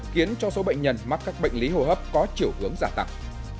khiến cho số bệnh nhân mắc các bệnh lý hồ hấp có chiều hướng giả tặng